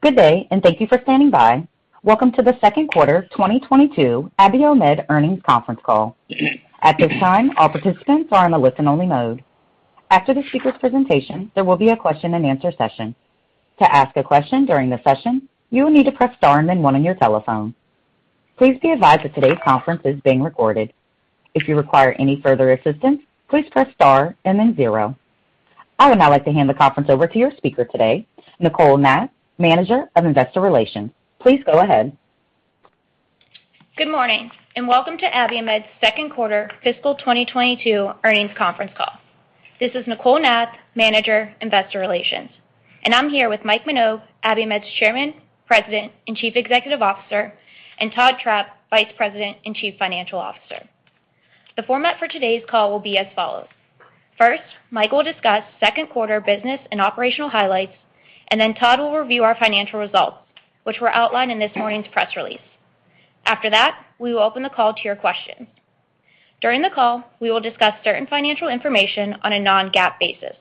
Good day, and thank you for standing by. Welcome to the second quarter 2022 Abiomed earnings conference call. At this time, all participants are in a listen-only mode. After the speakers' presentation, there will be a question-and-answer session. To ask a question during the session, you will need to press star and then one on your telephone. Please be advised that today's conference is being recorded. If you require any further assistance, please press star and then zero. I would now like to hand the conference over to your speaker today, Nicole Nath, Manager of Investor Relations. Please go ahead. Good morning, and welcome to Abiomed's second quarter fiscal 2022 earnings conference call. This is Nicole Nath, Manager, Investor Relations, and I'm here with Mike Minogue, Abiomed's Chairman, President, and Chief Executive Officer, and Todd Trapp, Vice President and Chief Financial Officer. The format for today's call will be as follows. First, Mike will discuss second quarter business and operational highlights, and then Todd will review our financial results, which were outlined in this morning's press release. After that, we will open the call to your questions. During the call, we will discuss certain financial information on a non-GAAP basis.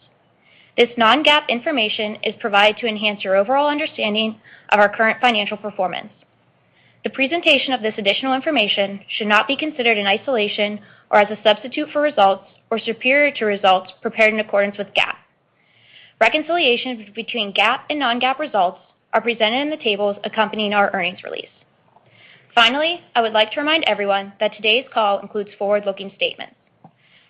This non-GAAP information is provided to enhance your overall understanding of our current financial performance. The presentation of this additional information should not be considered in isolation or as a substitute for results or superior to results prepared in accordance with GAAP. Reconciliations between GAAP and non-GAAP results are presented in the tables accompanying our earnings release. Finally, I would like to remind everyone that today's call includes forward-looking statements.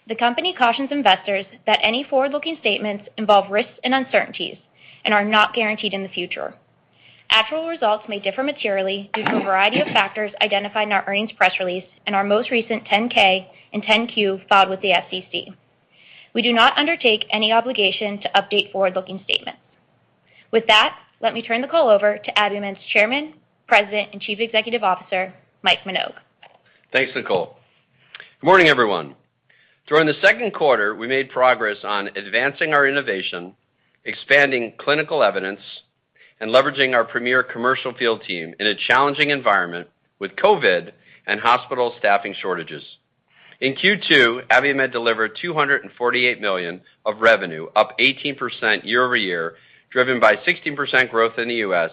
The company cautions investors that any forward-looking statements involve risks and uncertainties and are not guaranteed in the future. Actual results may differ materially due to a variety of factors identified in our earnings press release and our most recent 10-K and 10-Q filed with the SEC. We do not undertake any obligation to update forward-looking statements. With that, let me turn the call over to Abiomed's Chairman, President, and Chief Executive Officer, Mike Minogue. Thanks, Nicole. Good morning, everyone. During the second quarter, we made progress on advancing our innovation, expanding clinical evidence, and leveraging our premier commercial field team in a challenging environment with COVID and hospital staffing shortages. In Q2, Abiomed delivered $248 million of revenue, up 18% year-over-year, driven by 16% growth in the U.S.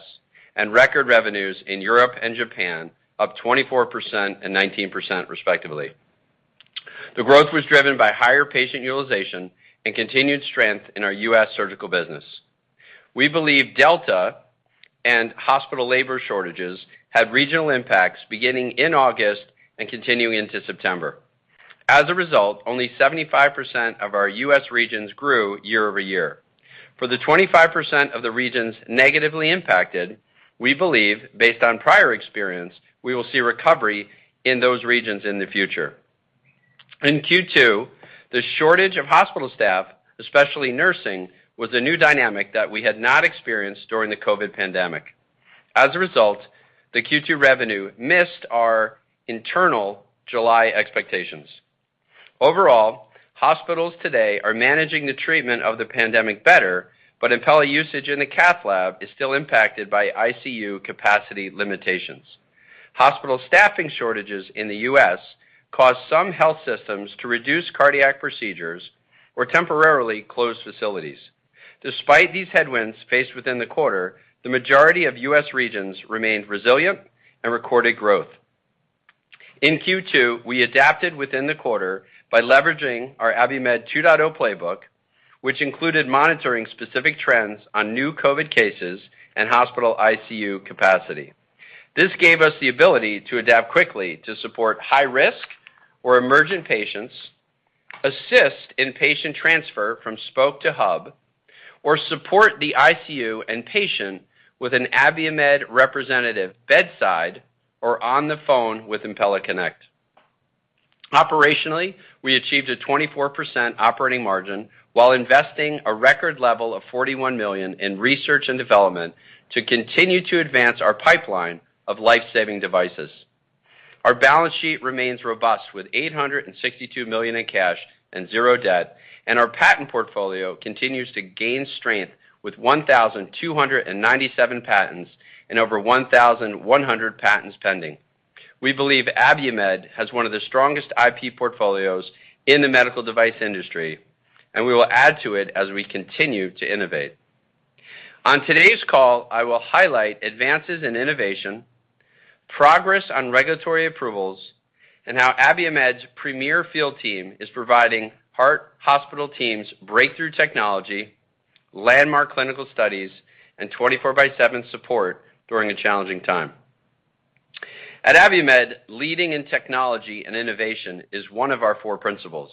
and record revenues in Europe and Japan, up 24% and 19% respectively. The growth was driven by higher patient utilization and continued strength in our U.S. surgical business. We believe Delta and hospital labor shortages had regional impacts beginning in August and continuing into September. As a result, only 75% of our U.S. regions grew year-over-year. For the 25% of the regions negatively impacted, we believe, based on prior experience, we will see recovery in those regions in the future. In Q2, the shortage of hospital staff, especially nursing, was a new dynamic that we had not experienced during the COVID pandemic. As a result, the Q2 revenue missed our internal July expectations. Overall, hospitals today are managing the treatment of the pandemic better, but Impella usage in the cath lab is still impacted by ICU capacity limitations. Hospital staffing shortages in the U.S. caused some health systems to reduce cardiac procedures or temporarily close facilities. Despite these headwinds faced within the quarter, the majority of U.S. regions remained resilient and recorded growth. In Q2, we adapted within the quarter by leveraging our Abiomed 2.0 playbook, which included monitoring specific trends on new COVID cases and hospital ICU capacity. This gave us the ability to adapt quickly to support high-risk or emergent patients, assist in patient transfer from spoke to hub, or support the ICU and patient with an Abiomed representative bedside or on the phone with Impella Connect. Operationally, we achieved a 24% operating margin while investing a record level of $41 million in research and development to continue to advance our pipeline of life-saving devices. Our balance sheet remains robust with $862 million in cash and zero debt, and our patent portfolio continues to gain strength with 1,297 patents and over 1,100 patents pending. We believe Abiomed has one of the strongest IP portfolios in the medical device industry, and we will add to it as we continue to innovate. On today's call, I will highlight advances in innovation, progress on regulatory approvals, and how Abiomed's premier field team is providing heart and hospital teams breakthrough technology, landmark clinical studies, and 24/7 support during a challenging time. At Abiomed, leading in technology and innovation is one of our four principles.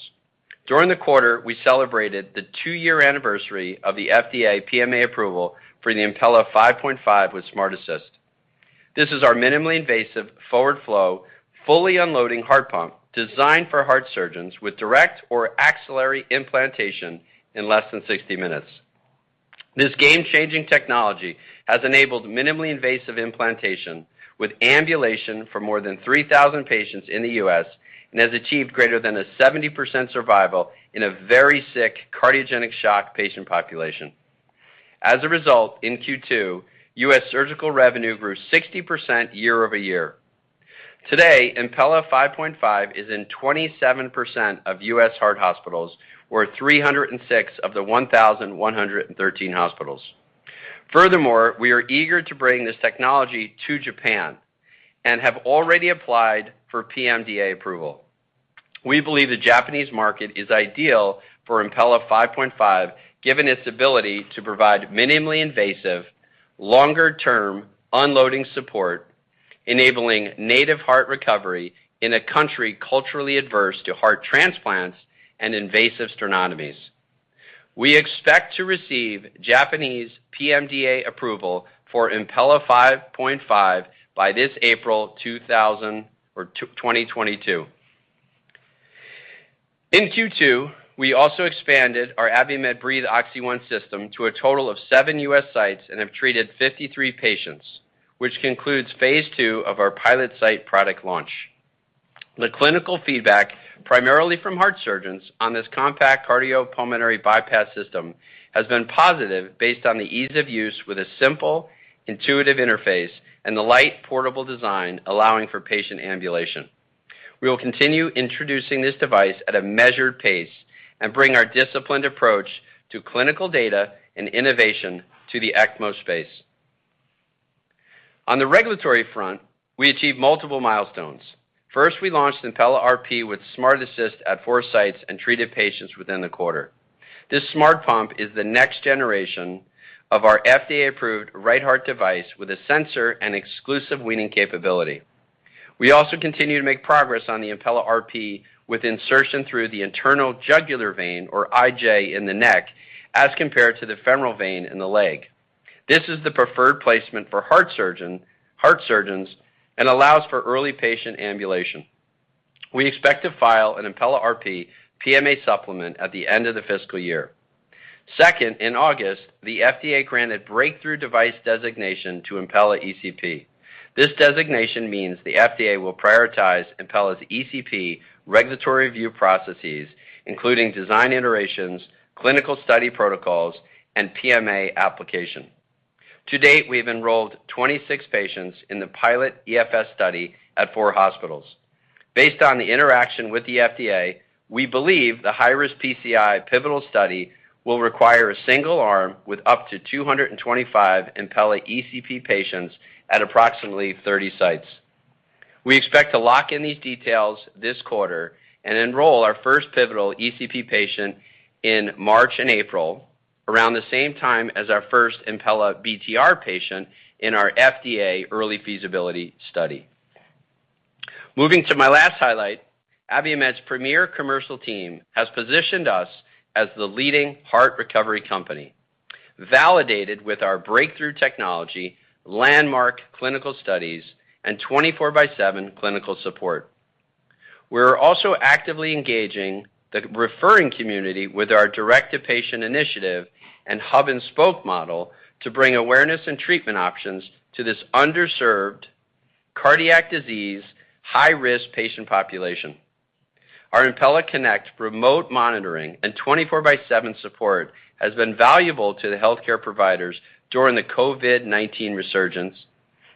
During the quarter, we celebrated the two-year anniversary of the FDA PMA approval for the Impella 5.5 with SmartAssist. This is our minimally invasive, forward flow, fully unloading heart pump designed for heart surgeons with direct or axillary implantation in less than 60 minutes. This game-changing technology has enabled minimally invasive implantation with ambulation for more than 3,000 patients in the U.S. and has achieved greater than a 70% survival in a very sick cardiogenic shock patient population. As a result, in Q2, U.S. surgical revenue grew 60% year-over-year. Today, Impella 5.5 is in 27% of U.S. heart hospitals, or 306 of the 1,113 hospitals. Furthermore, we are eager to bring this technology to Japan and have already applied for PMDA approval. We believe the Japanese market is ideal for Impella 5.5, given its ability to provide minimally invasive, longer-term unloading support, enabling native heart recovery in a country culturally adverse to heart transplants and invasive sternotomies. We expect to receive Japanese PMDA approval for Impella 5.5 by this April 2022. In Q2, we also expanded our Abiomed Breethe OXY-1 System to a total of 7 U.S. sites and have treated 53 patients, which concludes phase two of our pilot site product launch. The clinical feedback, primarily from heart surgeons on this compact cardiopulmonary bypass system, has been positive based on the ease of use with a simple, intuitive interface and the light, portable design allowing for patient ambulation. We will continue introducing this device at a measured pace and bring our disciplined approach to clinical data and innovation to the ECMO space. On the regulatory front, we achieved multiple milestones. First, we launched Impella RP with SmartAssist at four sites and treated patients within the quarter. This smart pump is the next generation of our FDA-approved right heart device with a sensor and exclusive weaning capability. We also continue to make progress on the Impella RP with insertion through the internal jugular vein or IJ in the neck as compared to the femoral vein in the leg. This is the preferred placement for heart surgeons and allows for early patient ambulation. We expect to file an Impella RP PMA supplement at the end of the fiscal year. Second, in August, the FDA granted breakthrough device designation to Impella ECP. This designation means the FDA will prioritize Impella's ECP regulatory review processes, including design iterations, clinical study protocols, and PMA application. To date, we have enrolled 26 patients in the pilot EFS study at four hospitals. Based on the interaction with the FDA, we believe the high-risk PCI pivotal study will require a single arm with up to 225 Impella ECP patients at approximately 30 sites. We expect to lock in these details this quarter and enroll our first pivotal ECP patient in March and April, around the same time as our first Impella BTR patient in our FDA early feasibility study. Moving to my last highlight, Abiomed's premier commercial team has positioned us as the leading heart recovery company, validated with our breakthrough technology, landmark clinical studies, and 24/7 clinical support. We're also actively engaging the referring community with our direct-to-patient initiative and hub-and-spoke model to bring awareness and treatment options to this underserved cardiac disease, high-risk patient population. Our Impella Connect remote monitoring and 24/7 support has been valuable to the healthcare providers during the COVID-19 resurgence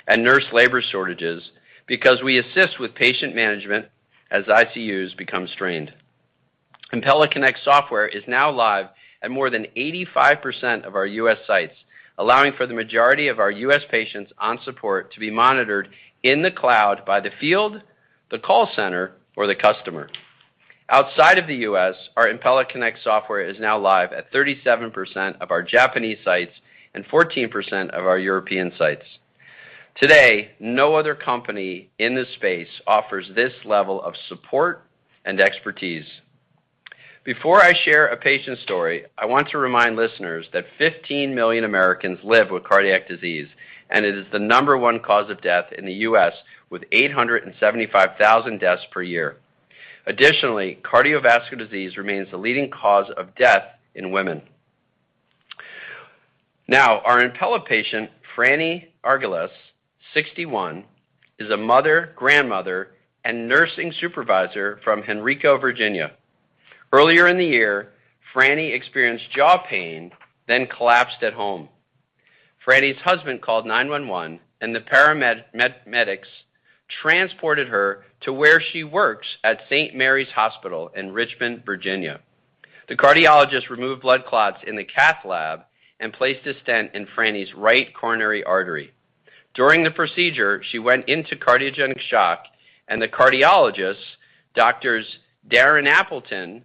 and nurse labor shortages because we assist with patient management as ICUs become strained. Impella Connect software is now live at more than 85% of our U.S. sites, allowing for the majority of our U.S. patients on support to be monitored in the cloud by the field, the call center, or the customer. Outside of the U.S., our Impella Connect software is now live at 37% of our Japanese sites and 14% of our European sites. Today, no other company in this space offers this level of support and expertise. Before I share a patient story, I want to remind listeners that 15 million Americans live with cardiac disease, and it is the number one cause of death in the U.S., with 875,000 deaths per year. Additionally, cardiovascular disease remains the leading cause of death in women. Now, our Impella patient, Franny Argulas, 61, is a mother, grandmother, and nursing supervisor from Henrico, Virginia. Earlier in the year, Franny experienced jaw pain, then collapsed at home. Franny's husband called 911, and the paramedics transported her to where she works at St. Mary's Hospital in Richmond, Virginia. The cardiologist removed blood clots in the cath lab and placed a stent in Franny's right coronary artery. During the procedure, she went into cardiogenic shock, and the cardiologists, Doctors Darryn Appleton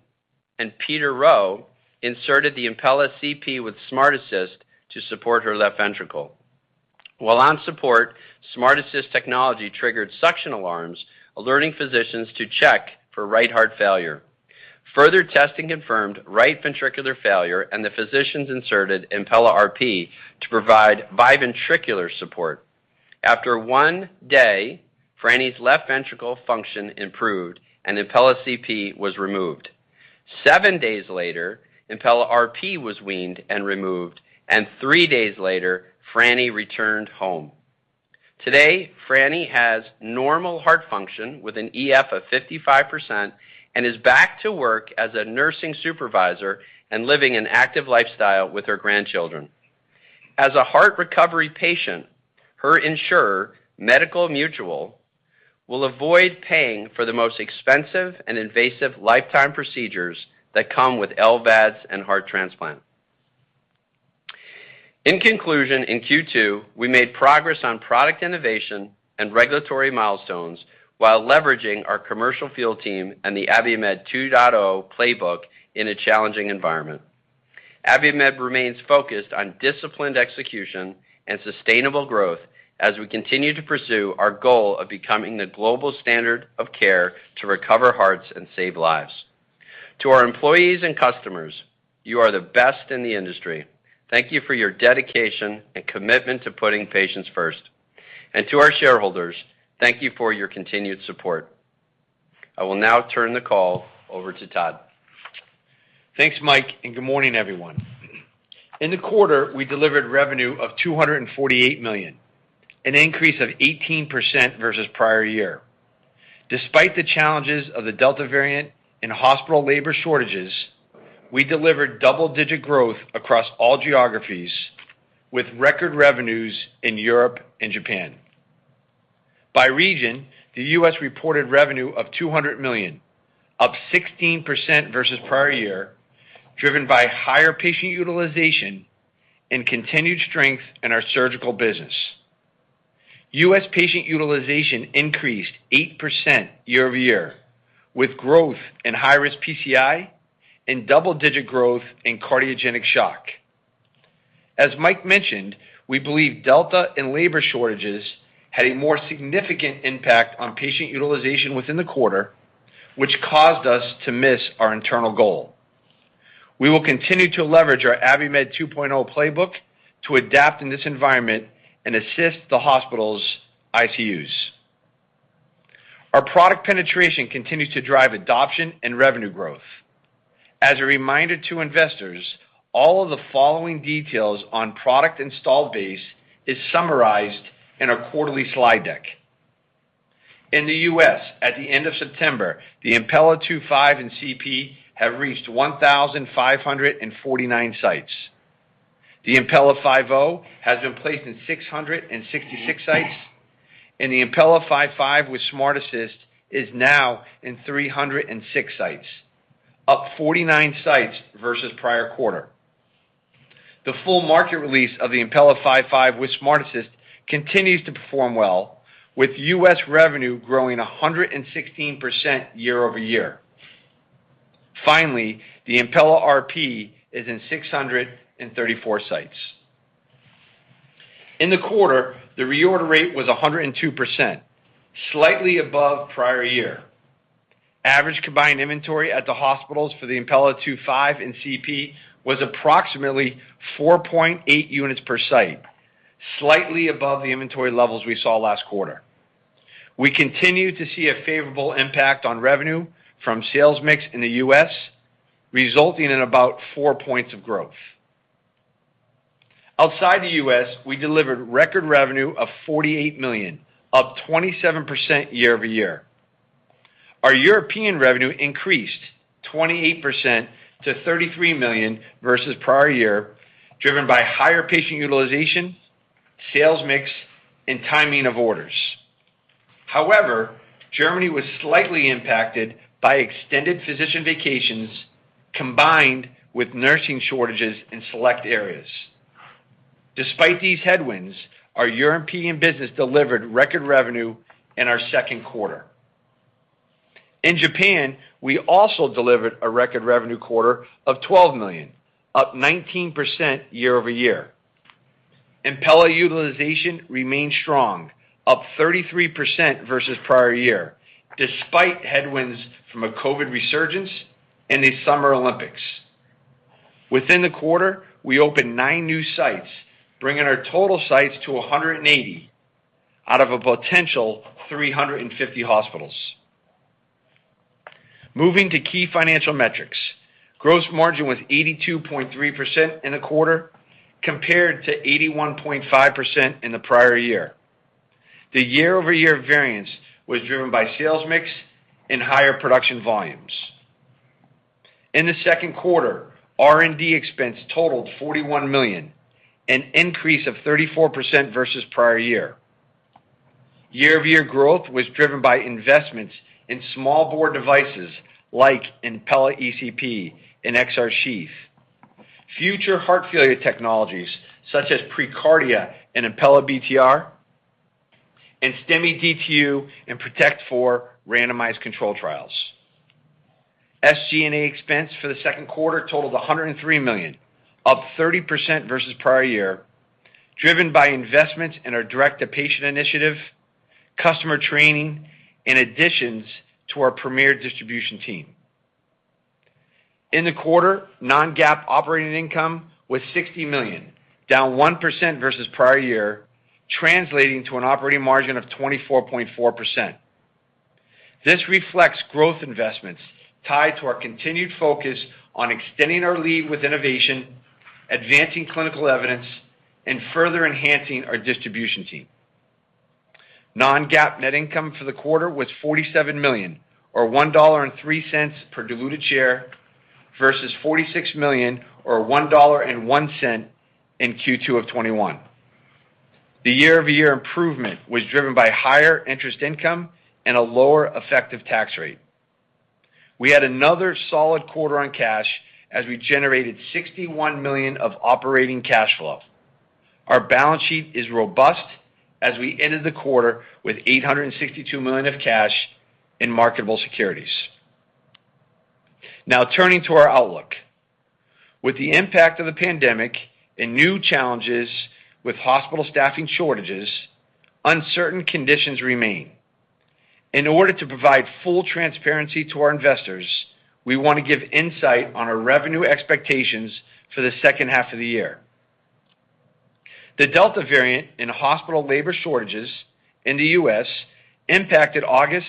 and Peter Rowe, inserted the Impella CP with SmartAssist to support her left ventricle. While on support, SmartAssist technology triggered suction alarms, alerting physicians to check for right heart failure. Further testing confirmed right ventricular failure, and the physicians inserted Impella RP to provide biventricular support. After one day, Franny's left ventricle function improved, and Impella CP was removed. Seven days later, Impella RP was weaned and removed, and three days later, Franny returned home. Today, Franny has normal heart function with an EF of 55% and is back to work as a nursing supervisor and living an active lifestyle with her grandchildren. As a heart recovery patient, her insurer, Medical Mutual, will avoid paying for the most expensive and invasive lifetime procedures that come with LVADs and heart transplant. In conclusion, in Q2, we made progress on product innovation and regulatory milestones while leveraging our commercial field team and the Abiomed 2.0 playbook in a challenging environment. Abiomed remains focused on disciplined execution and sustainable growth as we continue to pursue our goal of becoming the global standard of care to recover hearts and save lives. To our employees and customers, you are the best in the industry. Thank you for your dedication and commitment to putting patients first. To our shareholders, thank you for your continued support. I will now turn the call over to Todd. Thanks, Mike, and good morning, everyone. In the quarter, we delivered revenue of $248 million, an increase of 18% versus prior year. Despite the challenges of the Delta variant and hospital labor shortages, we delivered double-digit growth across all geographies with record revenues in Europe and Japan. By region, the U.S. reported revenue of $200 million, up 16% versus prior year, driven by higher patient utilization and continued strength in our surgical business. U.S. patient utilization increased 8% year-over-year, with growth in high-risk PCI and double-digit growth in cardiogenic shock. As Mike mentioned, we believe Delta and labor shortages had a more significant impact on patient utilization within the quarter, which caused us to miss our internal goal. We will continue to leverage our Abiomed 2.0 playbook to adapt in this environment and assist the hospital's ICUs. Our product penetration continues to drive adoption and revenue growth. As a reminder to investors, all of the following details on product installed base is summarized in our quarterly slide deck. In the U.S., at the end of September, the Impella 2.5 and CP have reached 1,549 sites. The Impella 5.0 has been placed in 666 sites, and the Impella 5.5 with SmartAssist is now in 306 sites, up 49 sites versus prior quarter. The full market release of the Impella 5.5 with SmartAssist continues to perform well, with U.S. revenue growing 116% year-over-year. Finally, the Impella RP is in 634 sites. In the quarter, the reorder rate was 102%, slightly above prior year. Average combined inventory at the hospitals for the Impella 2.5 and CP was approximately 4.8 units per site, slightly above the inventory levels we saw last quarter. We continue to see a favorable impact on revenue from sales mix in the U.S., resulting in about four points of growth. Outside the U.S., we delivered record revenue of $48 million, up 27% year-over-year. Our European revenue increased 28% to $33 million versus prior year, driven by higher patient utilization, sales mix, and timing of orders. However, Germany was slightly impacted by extended physician vacations combined with nursing shortages in select areas. Despite these headwinds, our European business delivered record revenue in our second quarter. In Japan, we also delivered a record revenue quarter of $12 million, up 19% year-over-year. Impella utilization remained strong, up 33% versus prior year, despite headwinds from a COVID resurgence in the Summer Olympics. Within the quarter, we opened 9 new sites, bringing our total sites to 180 out of a potential 350 hospitals. Moving to key financial metrics. Gross margin was 82.3% in the quarter compared to 81.5% in the prior year. The year-over-year variance was driven by sales mix and higher production volumes. In the second quarter, R&D expense totaled $41 million, an increase of 34% versus prior year. Year-over-year growth was driven by investments in small bore devices like Impella ECP and XR Sheath, future heart failure technologies such as preCARDIA and Impella BTR, and STEMI DTU and PROTECT IV randomized controlled trials. SG&A expense for the second quarter totaled $103 million, up 30% versus prior year, driven by investments in our direct-to-patient initiative, customer training, and additions to our premier distribution team. In the quarter, non-GAAP operating income was $60 million, down 1% versus prior year, translating to an operating margin of 24.4%. This reflects growth investments tied to our continued focus on extending our lead with innovation, advancing clinical evidence, and further enhancing our distribution team. Non-GAAP net income for the quarter was $47 million, or $1.03 per diluted share, versus $46 million or $1.01 in Q2 of 2021. The year-over-year improvement was driven by higher interest income and a lower effective tax rate. We had another solid quarter on cash as we generated $61 million of operating cash flow. Our balance sheet is robust as we ended the quarter with $862 million of cash in marketable securities. Now turning to our outlook. With the impact of the pandemic and new challenges with hospital staffing shortages, uncertain conditions remain. In order to provide full transparency to our investors, we wanna give insight on our revenue expectations for the second half of the year. The Delta variant and hospital labor shortages in the U.S. impacted August,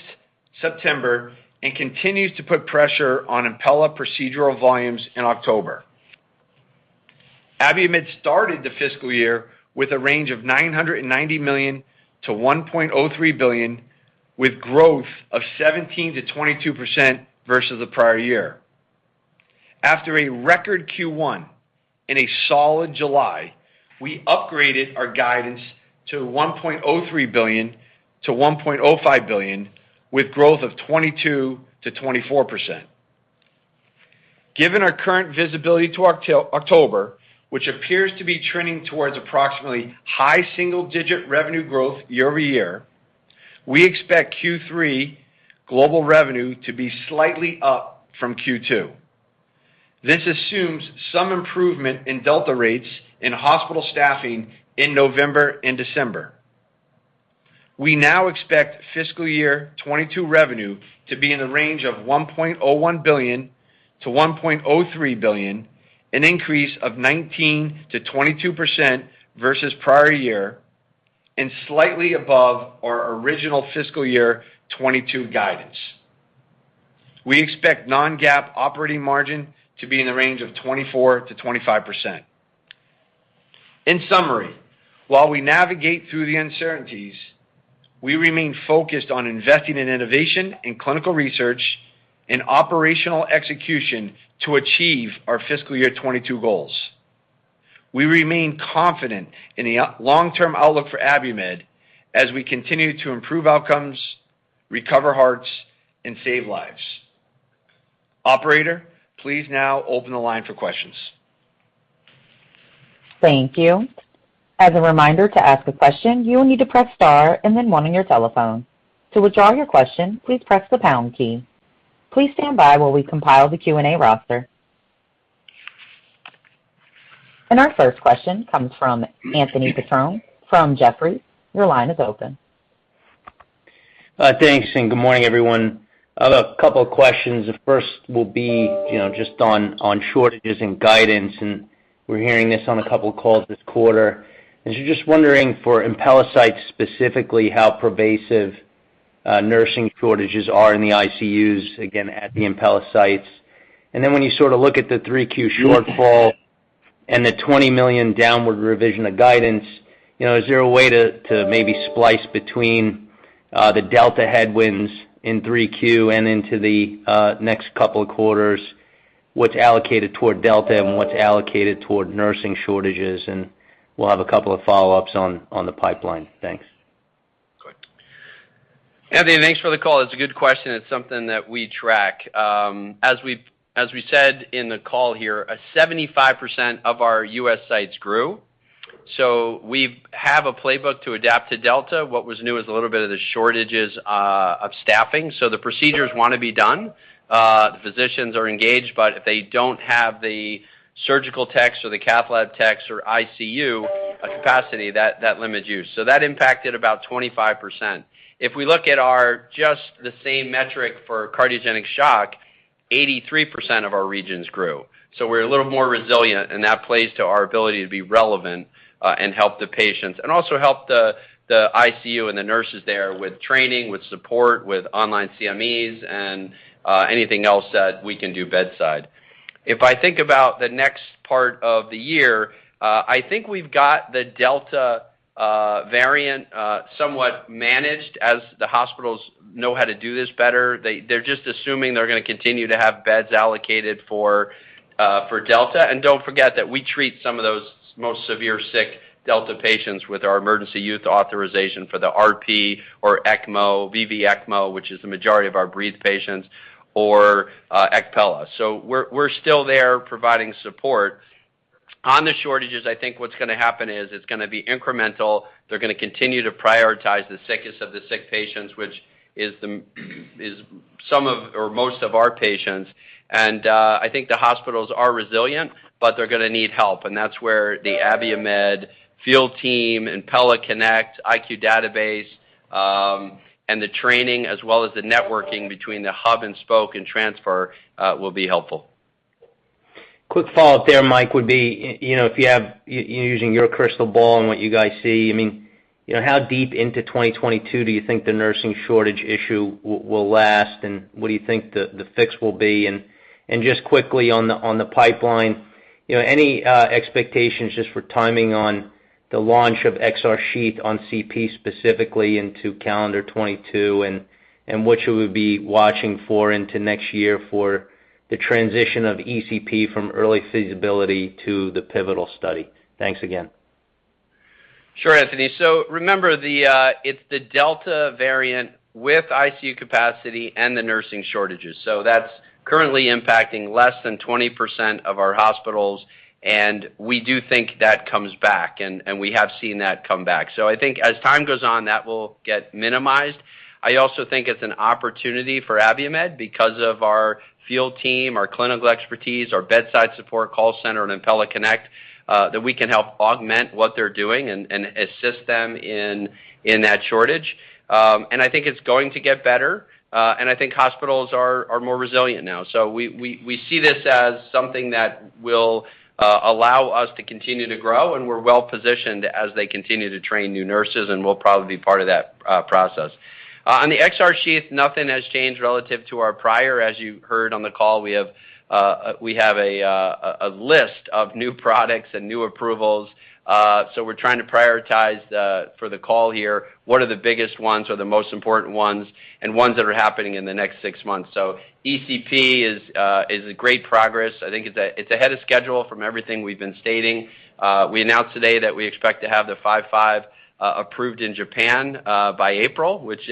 September and continues to put pressure on Impella procedural volumes in October. Abiomed started the fiscal year with a range of $990 million-$1.03 billion, with growth of 17%-22% versus the prior year. After a record Q1 and a solid July, we upgraded our guidance to $1.03 billion-$1.05 billion, with growth of 22%-24%. Given our current visibility to October, which appears to be trending towards approximately high single-digit revenue growth year-over-year, we expect Q3 global revenue to be slightly up from Q2. This assumes some improvement in Delta rates in hospital staffing in November and December. We now expect FY 2022 revenue to be in the range of $1.01 billion-$1.03 billion, an increase of 19%-22% versus prior year, and slightly above our original FY 2022 guidance. We expect non-GAAP operating margin to be in the range of 24%-25%. In summary, while we navigate through the uncertainties, we remain focused on investing in innovation and clinical research and operational execution to achieve our fiscal year 2022 goals. We remain confident in the long-term outlook for Abiomed as we continue to improve outcomes, recover hearts and save lives. Operator, please now open the line for questions. Thank you. As a reminder, to ask a question, you will need to press star and then one on your telephone. To withdraw your question, please press the pound key. Please stand by while we compile the Q&A roster. Our first question comes from Anthony Petrone from Jefferies. Your line is open. Thanks, and good morning, everyone. I have a couple of questions. The first will be, you know, just on shortages and guidance, and we're hearing this on a couple of calls this quarter. Just wondering for Impella sites specifically, how pervasive nursing shortages are in the ICUs, again, at the Impella sites. When you sort of look at the 3Q shortfall and the $20 million downward revision of guidance, you know, is there a way to maybe splice between the Delta headwinds in 3Q and into the next couple of quarters, what's allocated toward Delta and what's allocated toward nursing shortages? We'll have a couple of follow-ups on the pipeline. Thanks. Good. Anthony, thanks for the call. It's a good question. It's something that we track. As we said in the call here, 75% of our U.S. sites grew. We have a playbook to adapt to Delta. What was new is a little bit of the shortages of staffing. The procedures wanna be done, the physicians are engaged, but they don't have the surgical techs or the cath lab techs or ICU capacity that limits use. That impacted about 25%. If we look at our just the same metric for cardiogenic shock, 83% of our regions grew. We're a little more resilient, and that plays to our ability to be relevant, and help the patients and also help the ICU and the nurses there with training, with support, with online CMEs and anything else that we can do bedside. If I think about the next part of the year, I think we've got the Delta variant somewhat managed as the hospitals know how to do this better. They're just assuming they're gonna continue to have beds allocated for Delta. Don't forget that we treat some of those most severe sick Delta patients with our emergency use authorization for the RP or ECMO, VV ECMO, which is the majority of our Breethe patients or ECPella. We're still there providing support. On the shortages, I think what's gonna happen is it's gonna be incremental. They're gonna continue to prioritize the sickest of the sick patients, which is some of or most of our patients. I think the hospitals are resilient, but they're gonna need help. That's where the Abiomed field team, Impella Connect, IQ Database, and the training, as well as the networking between the hub and spoke and transfer, will be helpful. Quick follow-up there, Mike, would be, you know, using your crystal ball and what you guys see, I mean, you know, how deep into 2022 do you think the nursing shortage issue will last, and what do you think the fix will be? Just quickly on the pipeline. You know, any expectations just for timing on the launch of XR Sheath on CP specifically into calendar 2022, and what should we be watching for into next year for the transition of ECP from early feasibility to the pivotal study? Thanks again. Sure, Anthony. Remember it's the Delta variant with ICU capacity and the nursing shortages. That's currently impacting less than 20% of our hospitals, and we do think that comes back, and we have seen that come back. I think as time goes on, that will get minimized. I also think it's an opportunity for Abiomed because of our field team, our clinical expertise, our bedside support call center and Impella Connect that we can help augment what they're doing and assist them in that shortage. I think it's going to get better, and I think hospitals are more resilient now. We see this as something that will allow us to continue to grow, and we're well-positioned as they continue to train new nurses, and we'll probably be part of that process. On the XR Sheath, nothing has changed relative to our prior. As you heard on the call, we have a list of new products and new approvals. We're trying to prioritize for the call here, what are the biggest ones or the most important ones and ones that are happening in the next six months. ECP is a great progress. I think it's ahead of schedule from everything we've been stating. We announced today that we expect to have the 5.5 approved in Japan by April, which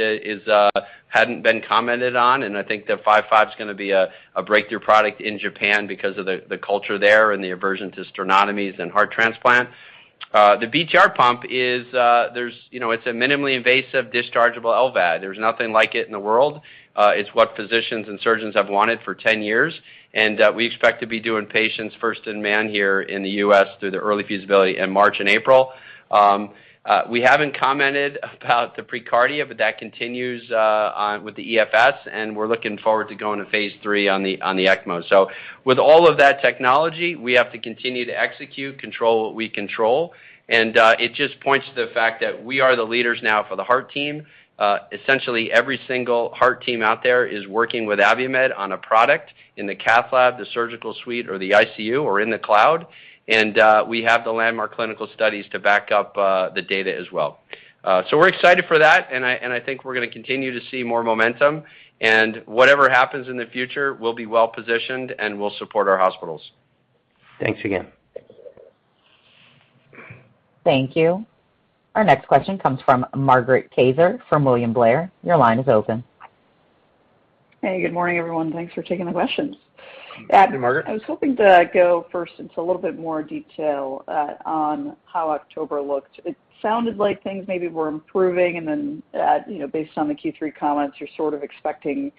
hadn't been commented on. I think the 5.5 is gonna be a breakthrough product in Japan because of the culture there and the aversion to sternotomies and heart transplant. The BTR pump is a minimally invasive dischargeable LVAD. You know, there's nothing like it in the world. It's what physicians and surgeons have wanted for 10 years. We expect to be doing first-in-man patients here in the U.S. through the early feasibility in March and April. We haven't commented about the preCARDIA, but that continues on with the EFS, and we're looking forward to going to phase III on the ECMO. With all of that technology, we have to continue to execute, control what we control. It just points to the fact that we are the leaders now for the heart team. Essentially, every single heart team out there is working with Abiomed on a product in the cath lab, the surgical suite or the ICU or in the cloud. We have the landmark clinical studies to back up the data as well. We're excited for that, and I think we're gonna continue to see more momentum. Whatever happens in the future, we'll be well-positioned, and we'll support our hospitals. Thanks again. Thank you. Our next question comes from Margaret Kaczor from William Blair. Your line is open. Hey, good morning, everyone. Thanks for taking the questions. Good morning. Adam, I was hoping to go first into a little bit more detail on how October looked. It sounded like things maybe were improving and then, you know, based on the Q3 comments, you're sort of expecting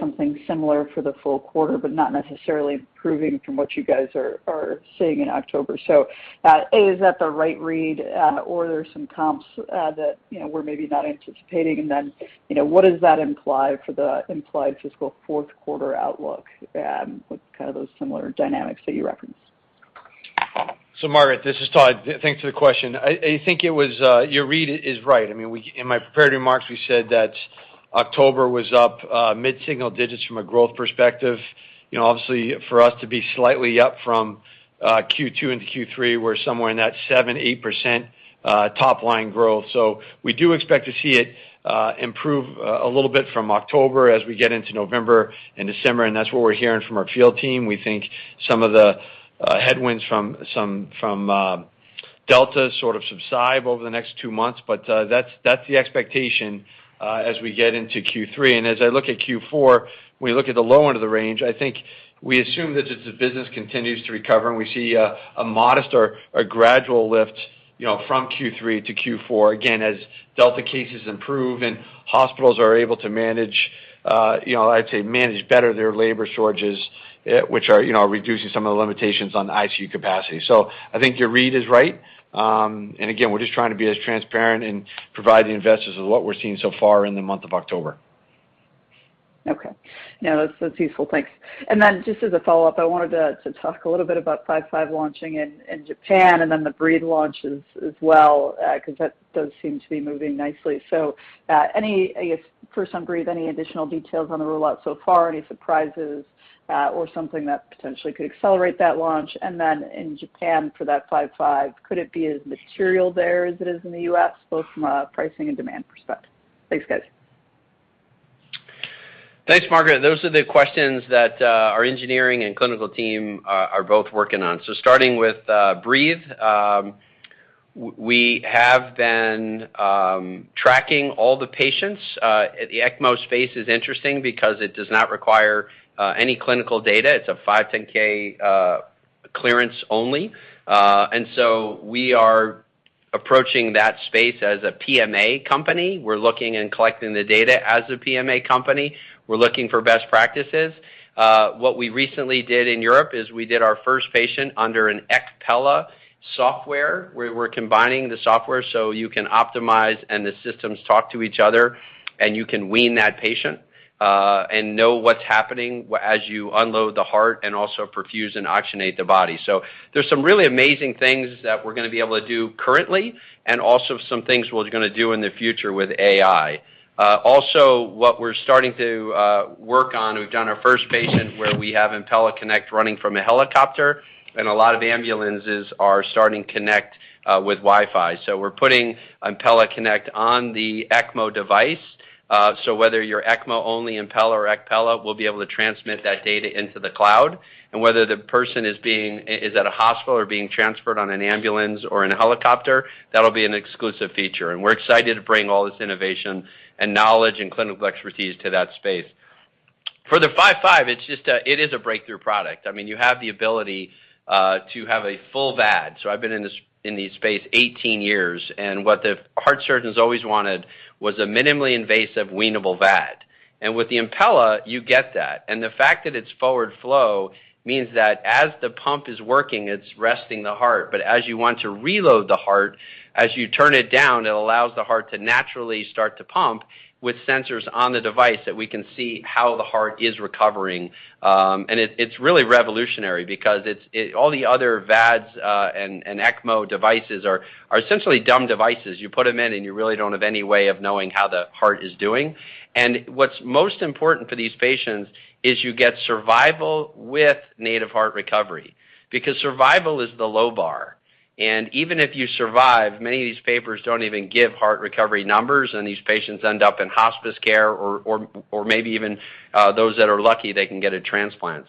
something similar for the full quarter, but not necessarily improving from what you guys are seeing in October. A, is that the right read or are there some comps that, you know, we're maybe not anticipating? You know, what does that imply for the implied fiscal fourth quarter outlook with kind of those similar dynamics that you referenced? Margaret, this is Todd. Thanks for the question. I think it was. Your read is right. I mean, we in my prepared remarks, we said that October was up mid-single digits from a growth perspective. You know, obviously, for us to be slightly up from Q2 into Q3, we're somewhere in that 7%-8% top line growth. We do expect to see it improve a little bit from October as we get into November and December, and that's what we're hearing from our field team. We think some of the headwinds from Delta sort of subside over the next two months, but that's the expectation as we get into Q3. As I look at Q4, we look at the low end of the range. I think we assume that as the business continues to recover, and we see a modest or a gradual lift, you know, from Q3 to Q4, again, as Delta cases improve and hospitals are able to manage, you know, I'd say manage better their labor shortages, which are, you know, reducing some of the limitations on ICU capacity. I think your read is right. Again, we're just trying to be as transparent and provide the investors with what we're seeing so far in the month of October. Okay. No, that's useful. Thanks. Just as a follow-up, I wanted to talk a little bit about 5.5 launching in Japan and then the Breethe launch as well, 'cause that does seem to be moving nicely. Any, I guess, first on Breethe, any additional details on the rollout so far, any surprises, or something that potentially could accelerate that launch? In Japan for that 5.5, could it be as material there as it is in the U.S., both from a pricing and demand perspective? Thanks, guys. Thanks, Margaret. Those are the questions that our engineering and clinical team are both working on. Starting with Breethe, we have been tracking all the patients. The ECMO space is interesting because it does not require any clinical data. It's a 510(k) clearance only. We are approaching that space as a PMA company. We're looking and collecting the data as a PMA company. We're looking for best practices. What we recently did in Europe is we did our first patient under an ECPella software. We're combining the software so you can optimize, and the systems talk to each other, and you can wean that patient and know what's happening as you unload the heart and also perfuse and oxygenate the body. There's some really amazing things that we're gonna be able to do currently, and also some things we're gonna do in the future with AI. Also, what we're starting to work on, we've done our first patient where we have Impella Connect running from a helicopter, and a lot of ambulances are starting Connect with Wi-Fi. We're putting Impella Connect on the ECMO device. Whether you're ECMO-only Impella or ECPella, we'll be able to transmit that data into the cloud. Whether the person is at a hospital or being transferred on an ambulance or in a helicopter, that'll be an exclusive feature. We're excited to bring all this innovation and knowledge and clinical expertise to that space. For the 5.5, it is a breakthrough product. I mean, you have the ability to have a full VAD. I've been in this space 18 years, and what the heart surgeons always wanted was a minimally invasive weanable VAD. With the Impella, you get that. The fact that it's forward flow means that as the pump is working, it's resting the heart. As you want to reload the heart, as you turn it down, it allows the heart to naturally start to pump with sensors on the device that we can see how the heart is recovering. It's really revolutionary because all the other VADs and ECMO devices are essentially dumb devices. You put them in, and you really don't have any way of knowing how the heart is doing. What's most important for these patients is you get survival with native heart recovery. Because survival is the low bar. Even if you survive, many of these papers don't even give heart recovery numbers, and these patients end up in hospice care or maybe even those that are lucky, they can get a transplant.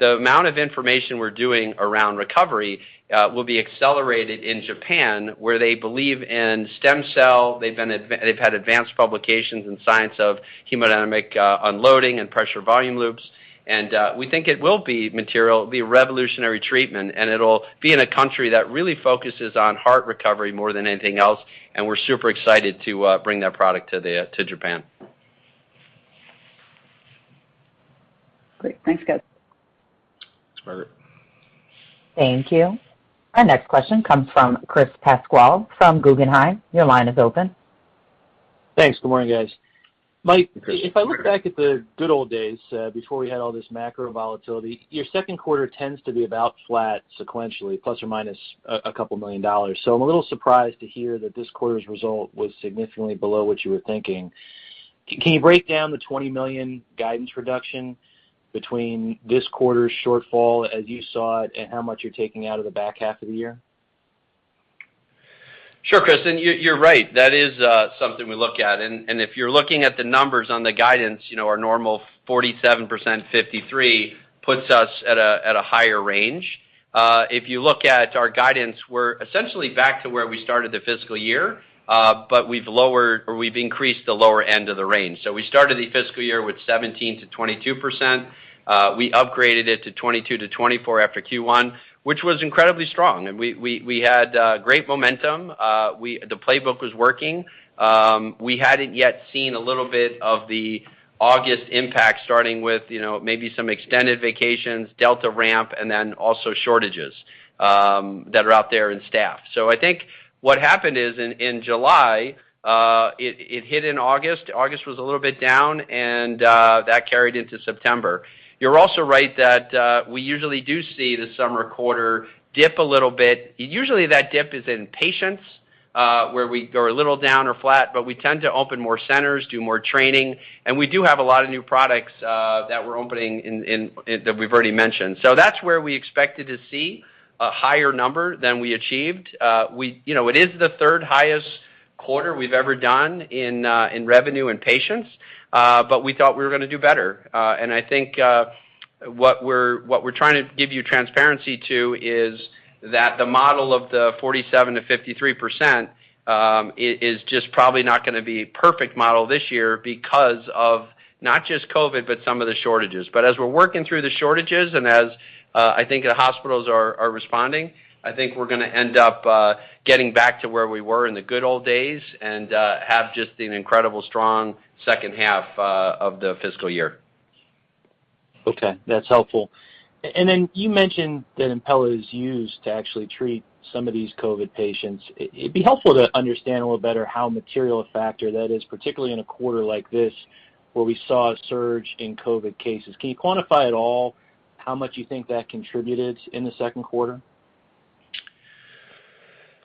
The amount of information we're doing around recovery will be accelerated in Japan, where they believe in stem cell. They've had advanced publications in science of hemodynamic unloading and pressure volume loops. We think it will be material, be a revolutionary treatment, and it'll be in a country that really focuses on heart recovery more than anything else, and we're super excited to bring that product to Japan. Great. Thanks, guys. That's perfect. Thank you. Our next question comes from Chris Pasquale from Guggenheim. Your line is open. Thanks. Good morning, guys. Chris, you're Mike, if I look back at the good old days before we had all this macro volatility, your second quarter tends to be about flat sequentially, ± $2 million. I'm a little surprised to hear that this quarter's result was significantly below what you were thinking. Can you break down the $20 million guidance reduction between this quarter's shortfall as you saw it and how much you're taking out of the back half of the year? Sure, Chris. You're right. That is something we look at. If you're looking at the numbers on the guidance, you know, our normal 47%-53% puts us at a higher range. If you look at our guidance, we're essentially back to where we started the fiscal year, but we've lowered or we've increased the lower end of the range. We started the fiscal year with 17%-22%. We upgraded it to 22%-24% after Q1, which was incredibly strong. We had great momentum. The playbook was working. We hadn't yet seen a little bit of the August impact, starting with, you know, maybe some extended vacations, Delta ramp, and then also shortages that are out there in staff. I think what happened is in July it hit in August. August was a little bit down, and that carried into September. You're also right that we usually do see the summer quarter dip a little bit. Usually, that dip is in patients where we go a little down or flat, but we tend to open more centers, do more training, and we do have a lot of new products that we've already mentioned. That's where we expected to see a higher number than we achieved. You know, it is the third highest quarter we've ever done in revenue and patients, but we thought we were gonna do better. I think what we're trying to give you transparency to is that the model of the 47%-53% is just probably not gonna be a perfect model this year because of not just COVID, but some of the shortages. As we're working through the shortages and as I think the hospitals are responding, I think we're gonna end up getting back to where we were in the good old days and have just an incredibly strong second half of the fiscal year. Okay, that's helpful. You mentioned that Impella is used to actually treat some of these COVID patients. It'd be helpful to understand a little better how material a factor that is, particularly in a quarter like this, where we saw a surge in COVID cases. Can you quantify at all how much you think that contributed in the second quarter?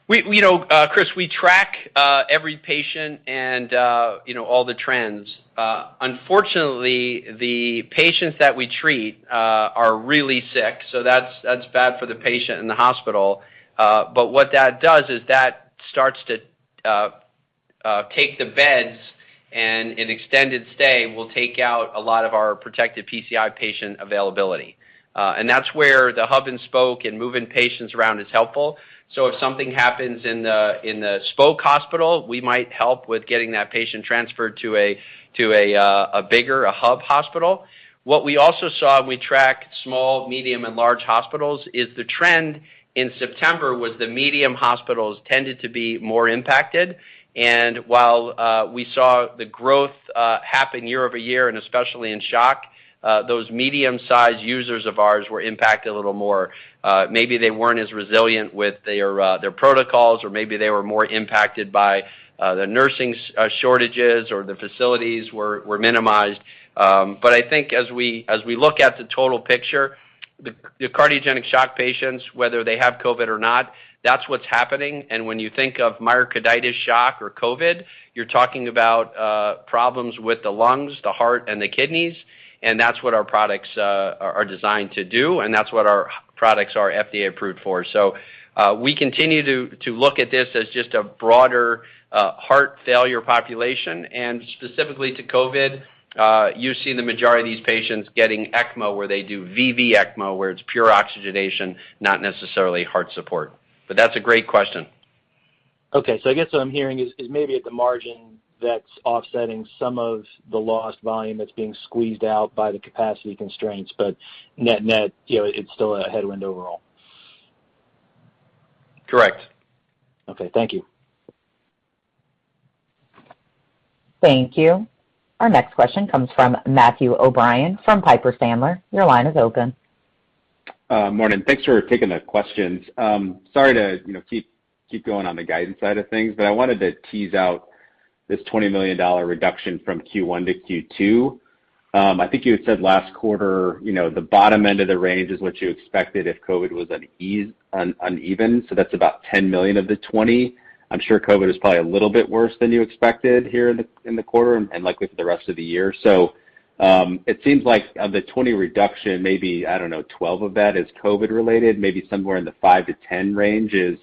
You know, Chris, we track every patient and, you know, all the trends. Unfortunately, the patients that we treat are really sick, so that's bad for the patient and the hospital. What that does is that starts to take the beds, and an extended stay will take out a lot of our protected PCI patient availability. That's where the hub and spoke and moving patients around is helpful. If something happens in the spoke hospital, we might help with getting that patient transferred to a bigger hub hospital. What we also saw, and we track small, medium, and large hospitals, is the trend in September was the medium hospitals tended to be more impacted. While we saw the growth happen year over year, especially in shock, those medium-sized users of ours were impacted a little more. Maybe they weren't as resilient with their protocols, or maybe they were more impacted by the nursing shortages or the facilities were minimized. I think as we look at the total picture. The cardiogenic shock patients, whether they have COVID or not, that's what's happening. When you think of myocarditis shock or COVID, you're talking about problems with the lungs, the heart, and the kidneys, and that's what our products are designed to do, and that's what our products are FDA approved for. We continue to look at this as just a broader heart failure population. Specifically to COVID, you see the majority of these patients getting ECMO, where they do VV ECMO, where it's pure oxygenation, not necessarily heart support. That's a great question. Okay. I guess what I'm hearing is maybe at the margin that's offsetting some of the lost volume that's being squeezed out by the capacity constraints. Net-net, you know, it's still a headwind overall. Correct. Okay, thank you. Thank you. Our next question comes from Matthew O'Brien from Piper Sandler. Your line is open. Morning. Thanks for taking the questions. Sorry to, you know, keep going on the guidance side of things, but I wanted to tease out this $20 million reduction from Q1 to Q2. I think you had said last quarter, you know, the bottom end of the range is what you expected if COVID was an uneven, so that's about $10 million of the $20. I'm sure COVID is probably a little bit worse than you expected here in the quarter and likely for the rest of the year. It seems like of the $20 reduction, maybe, I don't know, 12 of that is COVID related, maybe somewhere in the 5-10 range is,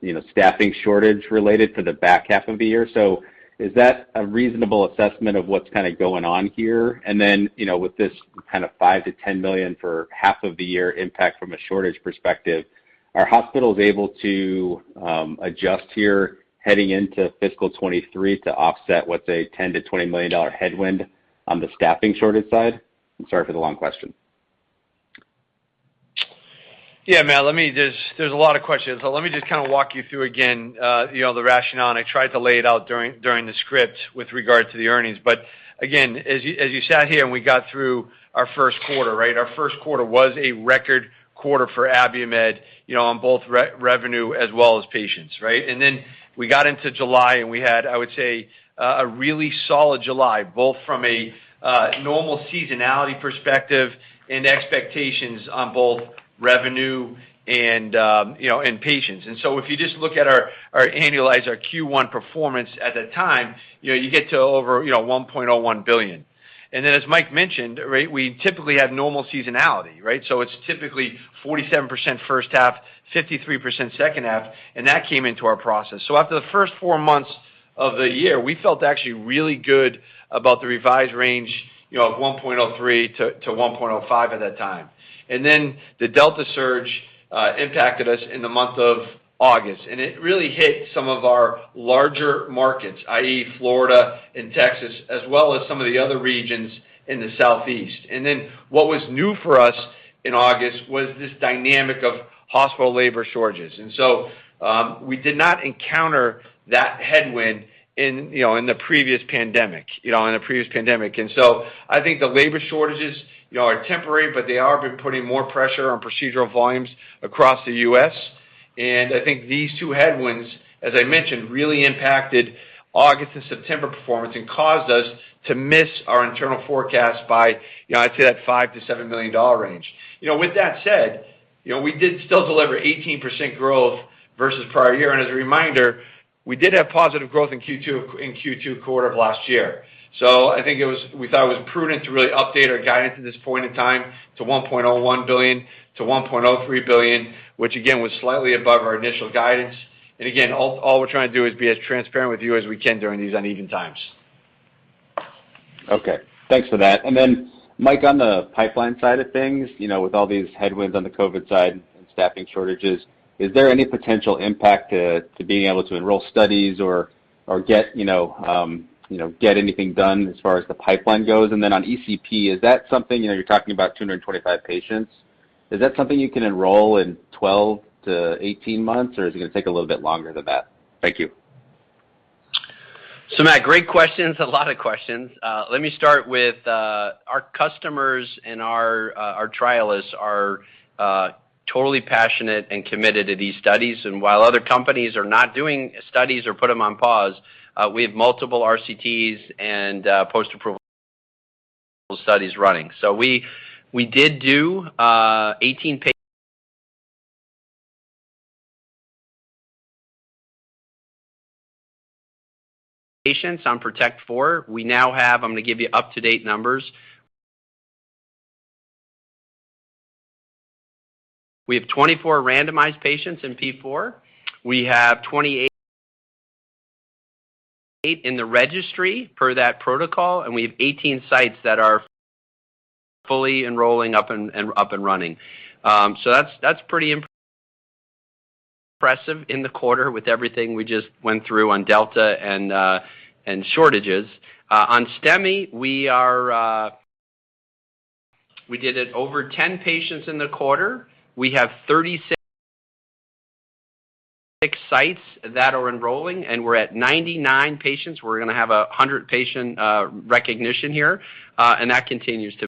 you know, staffing shortage related for the back half of the year. Is that a reasonable assessment of what's kinda going on here? You know, with this kind of $5 million-$10 million for half of the year impact from a shortage perspective, are hospitals able to adjust here heading into fiscal 2023 to offset what's a $10 million-$20 million headwind on the staffing shortage side? I'm sorry for the long question. Matt, let me. There's a lot of questions. Let me just kinda walk you through again, you know, the rationale. I tried to lay it out during the script with regard to the earnings. But again, as you sat here when we got through our first quarter, right? Our first quarter was a record quarter for Abiomed, you know, on both revenue as well as patients, right? Then we got into July, and we had, I would say, a really solid July, both from a normal seasonality perspective and expectations on both revenue and, you know, and patients. If you just look at our annualize our Q1 performance at that time, you know, you get to over, you know, $1.01 billion. As Mike mentioned, right, we typically have normal seasonality, right? It's typically 47% first half, 53% second half, and that came into our process. After the first four months of the year, we felt actually really good about the revised range, you know, of 1.03-1.05 at that time. The Delta surge impacted us in the month of August. It really hit some of our larger markets, i.e., Florida and Texas, as well as some of the other regions in the Southeast. What was new for us in August was this dynamic of hospital labor shortages. We did not encounter that headwind in, you know, in the previous pandemic. I think the labor shortages, you know, are temporary, but they have been putting more pressure on procedural volumes across the U.S. I think these two headwinds, as I mentioned, really impacted August and September performance and caused us to miss our internal forecast by, you know, I'd say that $5 million-$7 million range. You know, with that said, you know, we did still deliver 18% growth versus prior year. As a reminder, we did have positive growth in Q2, in Q2 quarter of last year. We thought it was prudent to really update our guidance at this point in time to $1.01 billion-$1.03 billion, which again, was slightly above our initial guidance. Again, all we're trying to do is be as transparent with you as we can during these uneven times. Okay, thanks for that. Mike, on the pipeline side of things, you know, with all these headwinds on the COVID side and staffing shortages, is there any potential impact to being able to enroll studies or get, you know, get anything done as far as the pipeline goes? On ECP, is that something, you know, you're talking about 225 patients, is that something you can enroll in 12-18 months, or is it gonna take a little bit longer than that? Thank you. Matt, great questions. A lot of questions. Let me start with our customers and our trialists are totally passionate and committed to these studies. While other companies are not doing studies or put them on pause, we have multiple RCTs and post-approval studies running. We did do 18 patients on PROTECT IV. We now have. I'm gonna give you up-to-date numbers. We have 24 randomized patients in PROTECT IV. We have 28 in the registry for that protocol, and we have 18 sites that are fully enrolling up and running. That's pretty impressive in the quarter with everything we just went through on Delta and shortages. On STEMI, we did over 10 patients in the quarter. We have 36 sites that are enrolling, and we're at 99 patients. We're gonna have a 100 patient recognition here, and that continues to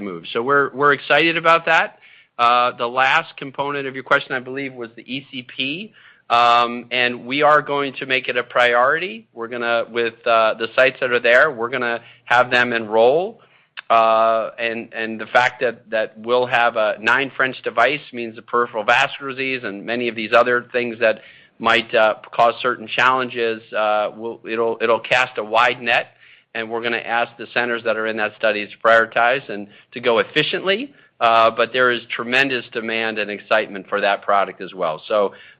move. We're excited about that. The last component of your question, I believe, was the ECP. We are going to make it a priority. With the sites that are there, we're gonna have them enroll. The fact that we'll have a 9 French device means the peripheral vascular disease and many of these other things that might cause certain challenges will cast a wide net, and we're gonna ask the centers that are in that study to prioritize and to go efficiently. There is tremendous demand and excitement for that product as well.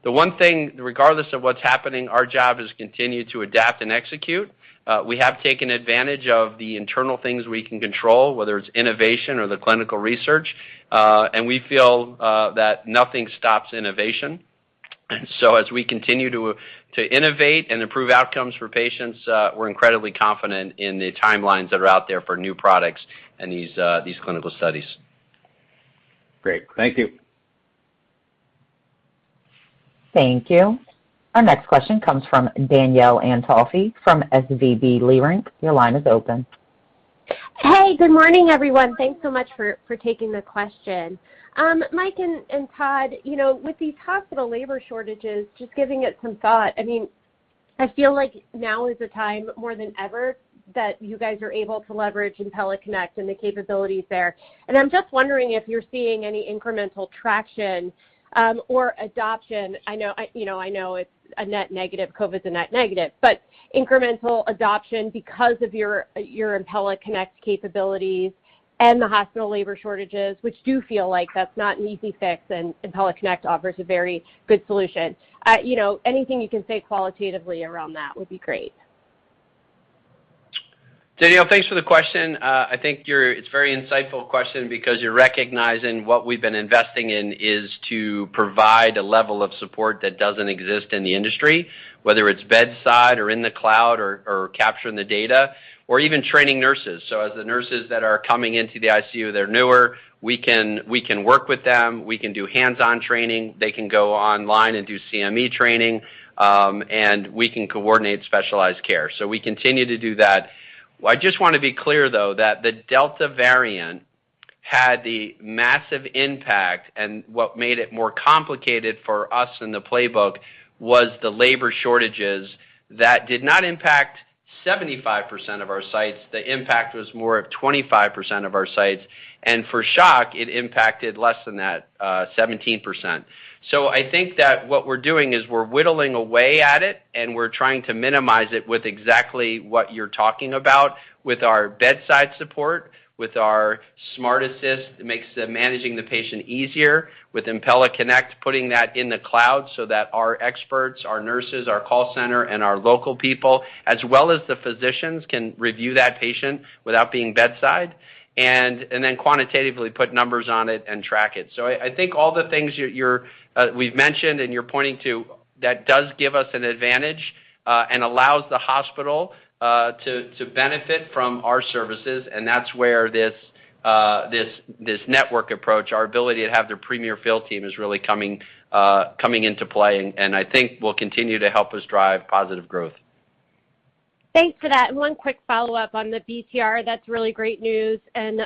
The one thing, regardless of what's happening, our job is to continue to adapt and execute. We have taken advantage of the internal things we can control, whether it's innovation or the clinical research, and we feel that nothing stops innovation. As we continue to innovate and improve outcomes for patients, we're incredibly confident in the timelines that are out there for new products and these clinical studies. Great. Thank you. Thank you. Our next question comes from Danielle Antalffy from SVB Leerink. Your line is open. Hey, good morning, everyone. Thanks so much for taking the question. Mike and Todd, you know, with these hospital labor shortages, just giving it some thought, I mean, I feel like now is the time more than ever that you guys are able to leverage Impella Connect and the capabilities there. I'm just wondering if you're seeing any incremental traction or adoption. I know, you know, I know it's a net negative, COVID's a net negative, but incremental adoption because of your Impella Connect capabilities and the hospital labor shortages, which do feel like that's not an easy fix, and Impella Connect offers a very good solution. You know, anything you can say qualitatively around that would be great. Danielle, thanks for the question. I think it's a very insightful question because you're recognizing what we've been investing in is to provide a level of support that doesn't exist in the industry, whether it's bedside or in the cloud or capturing the data or even training nurses. As the nurses that are coming into the ICU, they're newer, we can work with them, we can do hands-on training, they can go online and do CME training, and we can coordinate specialized care. We continue to do that. I just wanna be clear, though, that the Delta variant had the massive impact, and what made it more complicated for us in the playbook was the labor shortages that did not impact 75% of our sites. The impact was more of 25% of our sites. For shock, it impacted less than that, 17%. I think that what we're doing is we're whittling away at it, and we're trying to minimize it with exactly what you're talking about with our bedside support, with our SmartAssist, it makes the managing the patient easier, with Impella Connect, putting that in the cloud so that our experts, our nurses, our call center, and our local people, as well as the physicians, can review that patient without being bedside and then quantitatively put numbers on it and track it. I think all the things you've mentioned and you're pointing to, that does give us an advantage and allows the hospital to benefit from our services, and that's where this network approach, our ability to have the premier field team is really coming into play and I think will continue to help us drive positive growth. Thanks for that. One quick follow-up on the BTR. That's really great news and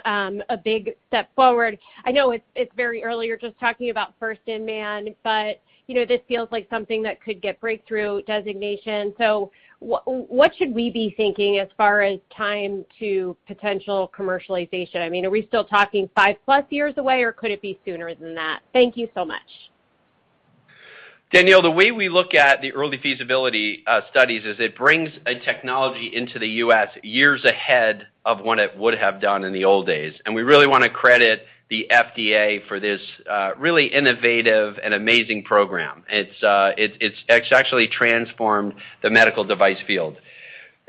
a big step forward. I know it's very early. You're just talking about first-in-man, but you know, this feels like something that could get breakthrough designation. What should we be thinking as far as time to potential commercialization? I mean, are we still talking five plus years away, or could it be sooner than that? Thank you so much. Danielle, the way we look at the early feasibility studies is it brings a technology into the U.S. years ahead of when it would have done in the old days, and we really wanna credit the FDA for this really innovative and amazing program. It's actually transformed the medical device field.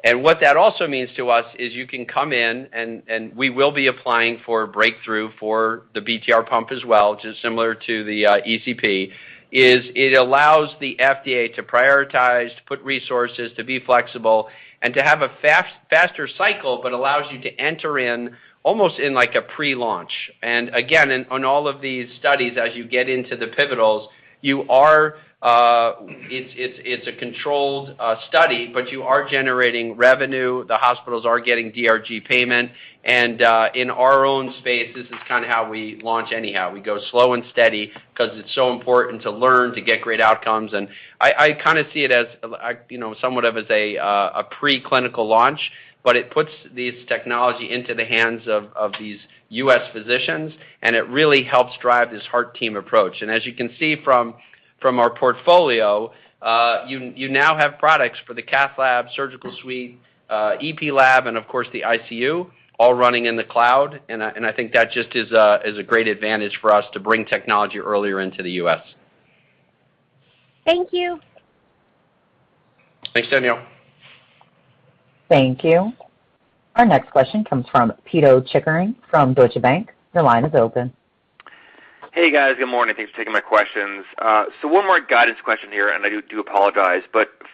What that also means to us is you can come in and we will be applying for a breakthrough for the BTR pump as well, which is similar to the ECP, as it allows the FDA to prioritize, to put resources, to be flexible, and to have a faster cycle, but allows you to enter in almost in like a pre-launch. Again, in on all of these studies, as you get into the pivotals, you are, it's a controlled study, but you are generating revenue, the hospitals are getting DRG payment. In our own space, this is kind of how we launch anyhow. We go slow and steady because it's so important to learn, to get great outcomes. I kind of see it as, you know, somewhat of a pre-clinical launch, but it puts this technology into the hands of these U.S. physicians, and it really helps drive this heart team approach. As you can see from our portfolio, you now have products for the cath lab, surgical suite, EP lab, and of course, the ICU, all running in the cloud. I think that just is a great advantage for us to bring technology earlier into the U.S. Thank you. Thanks, Danielle. Thank you. Our next question comes from Pito Chickering from Deutsche Bank. Your line is open. Hey, guys. Good morning. Thanks for taking my questions. One more guidance question here, and I do apologize.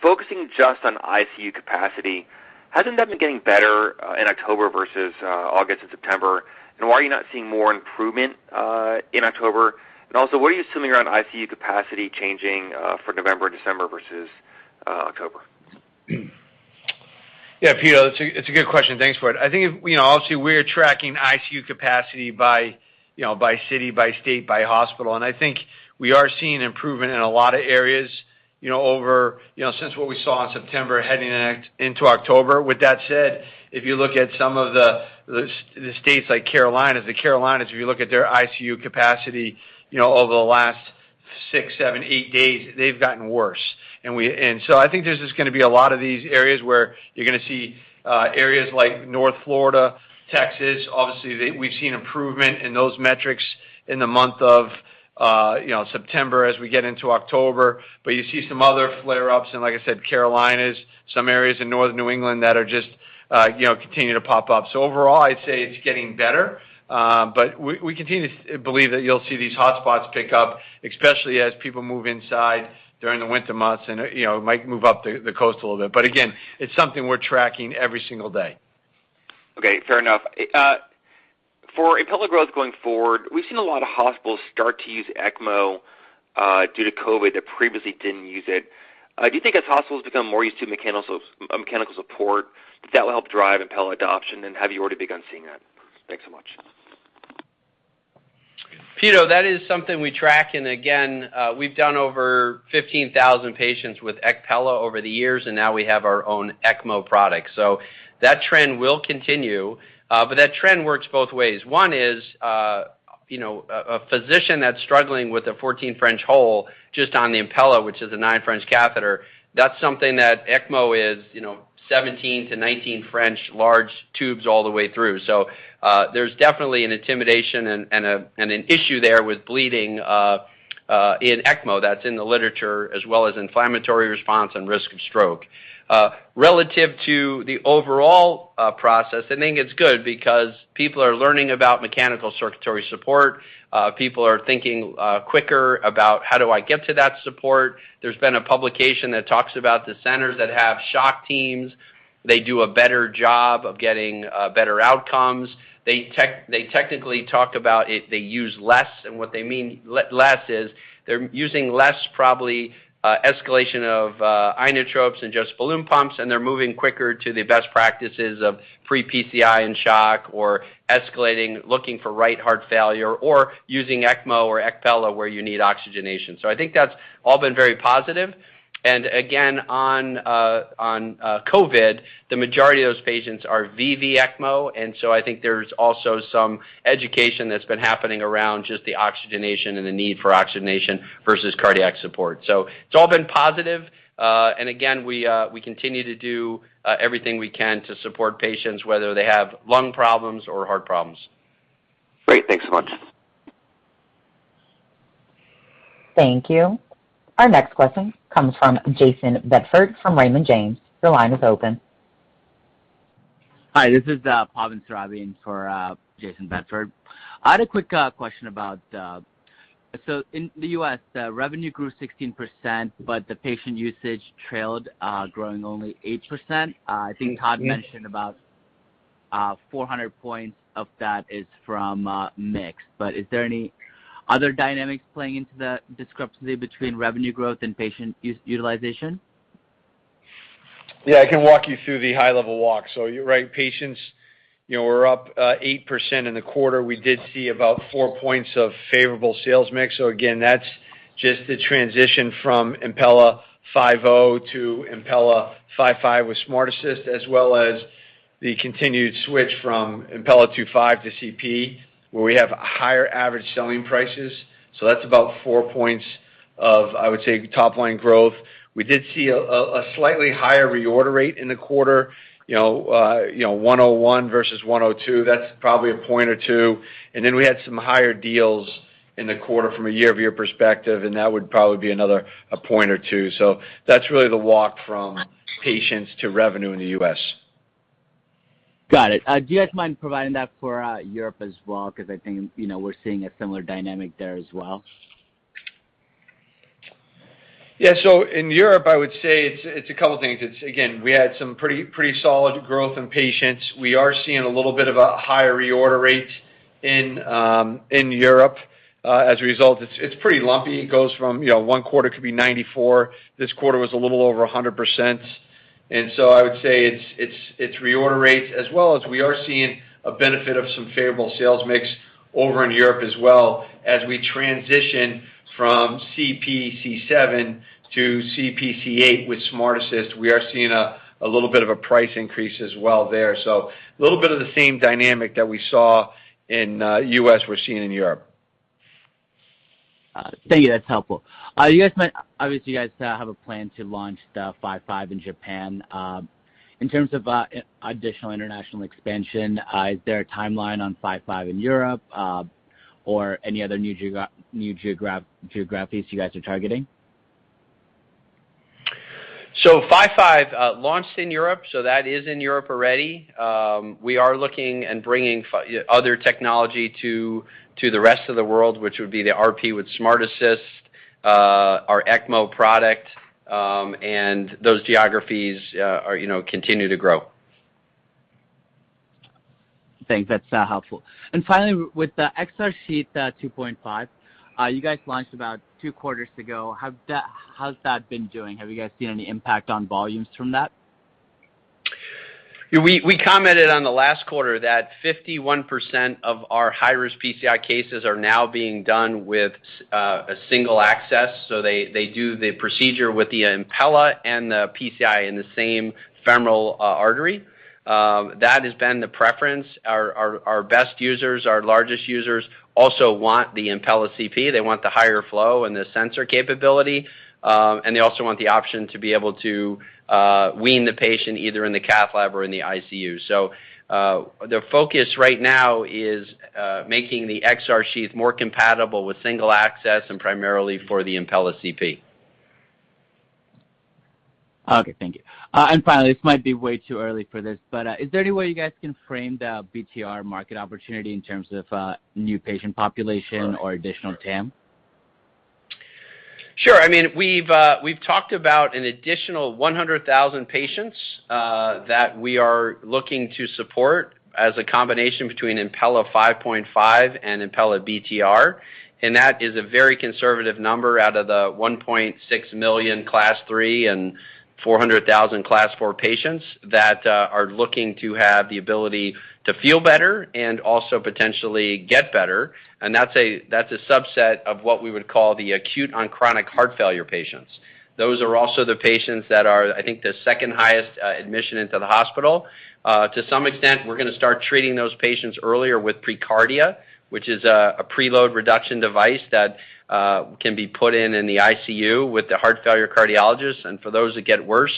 Focusing just on ICU capacity, hasn't that been getting better in October versus August and September? And why are you not seeing more improvement in October? And also, what are you assuming around ICU capacity changing for November and December versus October? Yeah, Peter, it's a good question. Thanks for it. I think, you know, obviously, we're tracking ICU capacity by city, by state, by hospital, and I think we are seeing improvement in a lot of areas over since what we saw in September heading into October. With that said, if you look at some of the states like the Carolinas, if you look at their ICU capacity over the last 6, 7, 8 days, they've gotten worse. I think there's just gonna be a lot of these areas where you're gonna see areas like North Florida, Texas. Obviously, we've seen improvement in those metrics in the month of September as we get into October. You see some other flare-ups in, like I said, Carolinas, some areas in Northern New England that are just, you know, continue to pop up. Overall, I'd say it's getting better, but we continue to believe that you'll see these hotspots pick up, especially as people move inside during the winter months and, you know, might move up the coast a little bit. Again, it's something we're tracking every single day. Okay, fair enough. For Impella growth going forward, we've seen a lot of hospitals start to use ECMO due to COVID that previously didn't use it. Do you think as hospitals become more used to mechanical support, that will help drive Impella adoption? Have you already begun seeing that? Thanks so much. Peter, that is something we track, and again, we've done over 15,000 patients with ECPella over the years, and now we have our own ECMO product. That trend will continue, but that trend works both ways. One is, you know, a physician that's struggling with a 14 French hole just on the Impella, which is a nine French catheter. That's something that ECMO is, you know, 17-19 French large tubes all the way through. There's definitely an intimidation and an issue there with bleeding in ECMO that's in the literature, as well as inflammatory response and risk of stroke. Relative to the overall process, I think it's good because people are learning about mechanical circulatory support. People are thinking quicker about how do I get to that support. There's been a publication that talks about the centers that have shock teams. They do a better job of getting better outcomes. They technically talk about if they use less, and what they mean less is they're using less probably escalation of inotropes and just balloon pumps, and they're moving quicker to the best practices of pre-PCI and shock or escalating, looking for right heart failure or using ECMO or ECPella where you need oxygenation. I think that's all been very positive. Again, on COVID, the majority of those patients are VV ECMO. I think there's also some education that's been happening around just the oxygenation and the need for oxygenation versus cardiac support. It's all been positive. Again, we continue to do everything we can to support patients, whether they have lung problems or heart problems. Great. Thanks so much. Thank you. Our next question comes from Jayson Bedford from Raymond James. Your line is open. Hi, this is Pavan Siravi for Jayson Bedford. I had a quick question about in the U.S., the revenue grew 16%, but the patient usage trailed, growing only 8%. I think Todd mentioned about 400 points of that is from mix. But is there any other dynamics playing into the discrepancy between revenue growth and patient utilization? Yeah. I can walk you through the high-level walk. You're right. Patients, you know, were up 8% in the quarter. We did see about four points of favorable sales mix. Again, that's just the transition from Impella 5.0 to Impella 5.5 with SmartAssist, as well as the continued switch from Impella 2.5 to CP, where we have higher average selling prices. That's about four points of, I would say, top-line growth. We did see a slightly higher reorder rate in the quarter, you know, 101 versus 102. That's probably a point or two. Then we had some higher deals in the quarter from a year-over-year perspective, and that would probably be another a point or two. That's really the walk from patients to revenue in the US. Got it. Do you guys mind providing that for Europe as well? 'Cause I think, you know, we're seeing a similar dynamic there as well. Yeah. In Europe, I would say it's a couple things. It's again, we had some pretty solid growth in patients. We are seeing a little bit of a higher reorder rate in Europe. As a result, it's pretty lumpy. It goes from, you know, one quarter could be 94%. This quarter was a little over 100%. I would say it's reorder rates, as well as we are seeing a benefit of some favorable sales mix over in Europe as well as we transition from CPC7 to CPC8 with SmartAssist. We are seeing a little bit of a price increase as well there. A little bit of the same dynamic that we saw in U.S., we're seeing in Europe. Thank you. That's helpful. You guys obviously have a plan to launch the 5.5 in Japan. In terms of additional international expansion, is there a timeline on 5.5 in Europe, or any other new geographies you guys are targeting? 5.5 launched in Europe, so that is in Europe already. We are looking and bringing other technology to the rest of the world, which would be the RP with SmartAssist, our ECMO product, and those geographies continue to grow. Thanks. That's helpful. Finally, with the XR Sheath 2.5, you guys launched about two quarters ago. How's that been doing? Have you guys seen any impact on volumes from that? Yeah, we commented on the last quarter that 51% of our high-risk PCI cases are now being done with a single access, so they do the procedure with the Impella and the PCI in the same femoral artery. That has been the preference. Our best users, our largest users also want the Impella CP. They want the higher flow and the sensor capability, and they also want the option to be able to wean the patient either in the cath lab or in the ICU. Their focus right now is making the XR sheath more compatible with single access and primarily for the Impella CP. Okay, thank you. Finally, this might be way too early for this, but is there any way you guys can frame the BTR market opportunity in terms of new patient population? Sure. Additional TAM? Sure. I mean, we've talked about an additional 100,000 patients that we are looking to support as a combination between Impella 5.5 and Impella BTR. That is a very conservative number out of the 1.6 million Class III and 400,000 Class IV patients that are looking to have the ability to feel better and also potentially get better. That's a subset of what we would call the acute on chronic heart failure patients. Those are also the patients that are, I think, the second highest admission into the hospital. To some extent, we're gonna start treating those patients earlier with preCARDIA, which is a preload reduction device that can be put in in the ICU with the heart failure cardiologist. For those that get worse,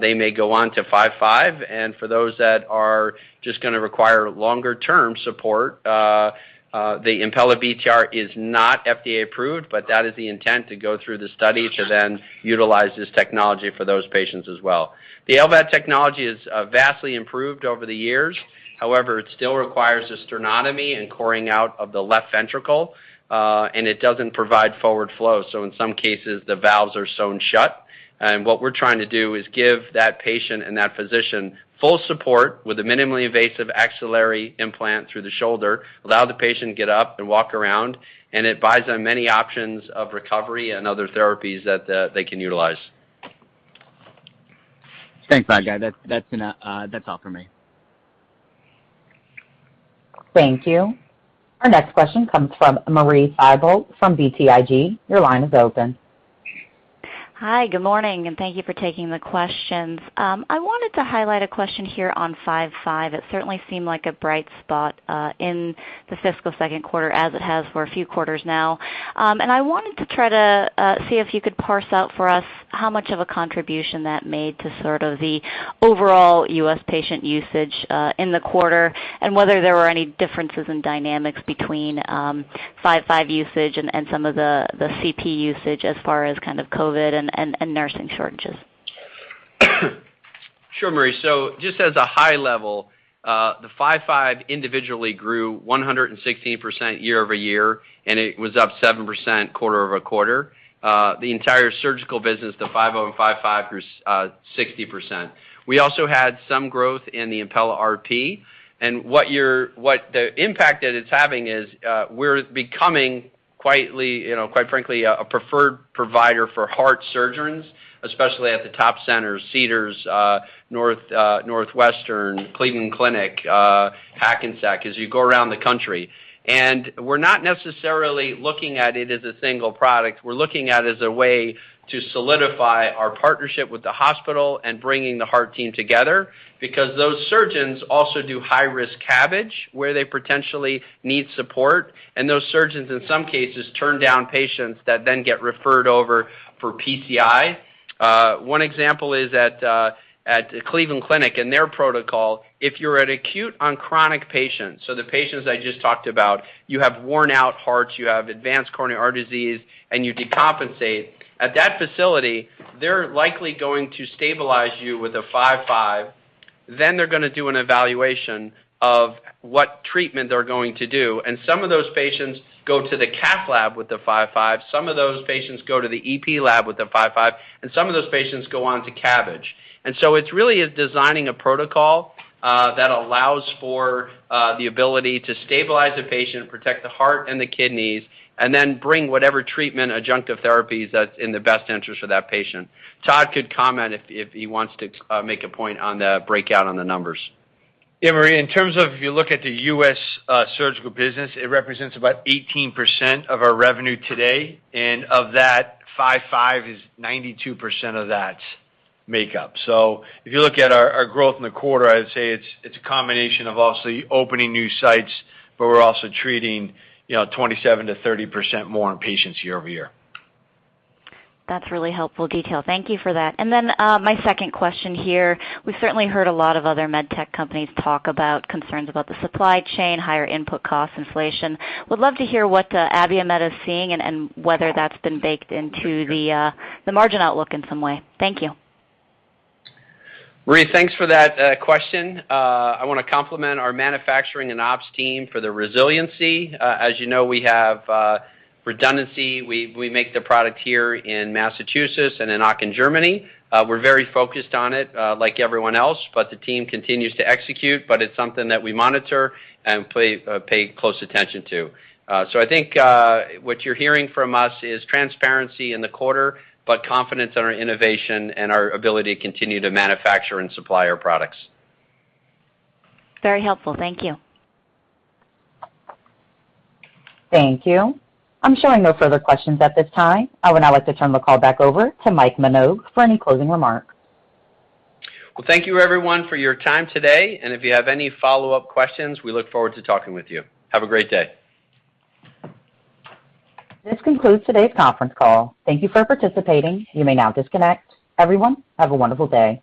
they may go on to 5.5. For those that are just gonna require longer term support, the Impella BTR is not FDA approved, but that is the intent to go through the study to then utilize this technology for those patients as well. The LVAD technology is vastly improved over the years. However, it still requires a sternotomy and coring out of the left ventricle, and it doesn't provide forward flow. In some cases, the valves are sewn shut. What we're trying to do is give that patient and that physician full support with a minimally invasive axillary implant through the shoulder, allow the patient to get up and walk around, and it buys them many options of recovery and other therapies that they can utilize. Thanks, Mike. That's all for me. Thank you. Our next question comes from Marie Thibault from BTIG. Your line is open. Hi. Good morning, and thank you for taking the questions. I wanted to highlight a question here on 5.5. It certainly seemed like a bright spot in the fiscal second quarter as it has for a few quarters now. I wanted to try to see if you could parse out for us how much of a contribution that made to sort of the overall U.S. patient usage in the quarter, and whether there were any differences in dynamics between 5.5 usage and some of the CP usage as far as kind of COVID and nursing shortages. Sure, Marie. Just as a high level, the Impella 5.5 individually grew 116% year-over-year, and it was up 7% quarter-over-quarter. The entire surgical business, the Impella 5.0 and Impella 5.5 grew 60%. We also had some growth in the Impella RP. What the impact that it's having is, we're becoming quietly, you know, quite frankly, a preferred provider for heart surgeons, especially at the top centers, Cedars, Northwestern, Cleveland Clinic, Hackensack, as you go around the country. We're not necessarily looking at it as a single product. We're looking at it as a way to solidify our partnership with the hospital and bringing the heart team together because those surgeons also do high risk CABG where they potentially need support, and those surgeons, in some cases, turn down patients that then get referred over for PCI. One example is at Cleveland Clinic, in their protocol, if you're an acute on chronic patient, so the patients I just talked about, you have worn out hearts, you have advanced coronary heart disease, and you decompensate, at that facility, they're likely going to stabilize you with a 5.5, then they're gonna do an evaluation of what treatment they're going to do. Some of those patients go to the cath lab with the 5.5, some of those patients go to the EP lab with the 5.5, and some of those patients go on to CABG. It's really designing a protocol that allows for the ability to stabilize the patient, protect the heart and the kidneys, and then bring whatever treatment adjunctive therapies that's in the best interest of that patient. Todd could comment if he wants to make a point on the breakdown on the numbers. Yeah, Marie. In terms of if you look at the U.S. surgical business, it represents about 18% of our revenue today. Of that, 5.5 is 92% of that makeup. If you look at our growth in the quarter, I'd say it's a combination of obviously opening new sites, but we're also treating, you know, 27%-30% more patients year-over-year. That's really helpful detail. Thank you for that. My second question here, we certainly heard a lot of other med tech companies talk about concerns about the supply chain, higher input costs, inflation. Would love to hear what Abiomed is seeing and whether that's been baked into the margin outlook in some way. Thank you. Marie, thanks for that question. I wanna compliment our manufacturing and ops team for their resiliency. As you know, we have redundancy. We make the product here in Massachusetts and in Aachen, Germany. We're very focused on it, like everyone else, but the team continues to execute, but it's something that we monitor and pay close attention to. I think what you're hearing from us is transparency in the quarter, but confidence in our innovation and our ability to continue to manufacture and supply our products. Very helpful. Thank you. Thank you. I'm showing no further questions at this time. I would now like to turn the call back over to Mike Minogue for any closing remarks. Well, thank you everyone for your time today, and if you have any follow-up questions, we look forward to talking with you. Have a great day. This concludes today's conference call. Thank you for participating. You may now disconnect. Everyone, have a wonderful day.